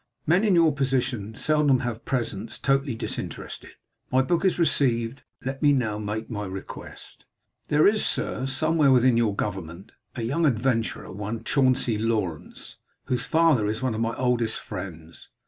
Men in your station seldom have presents totally disinterested; my book is received, let me now make my request. There is, Sir, somewhere within your government, a young adventurer, one Chauncey Lawrence, whose father is one of my oldest friends.